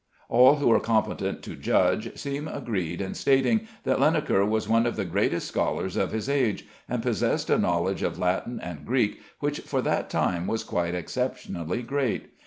All who are competent to judge seem agreed in stating that Linacre was one of the greatest scholars of his age, and possessed a knowledge of Latin and Greek which for that time was quite exceptionally great.